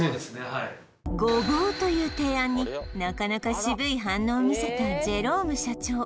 はいごぼうという提案になかなか渋い反応を見せたジェローム社長